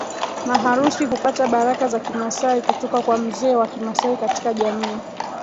Maharusi hupata baraka za Kimasai kutoka kwa mzee wa Kimasai katika jamii